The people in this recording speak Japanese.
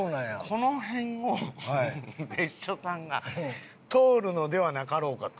この辺を別所さんが通るのではなかろうかと。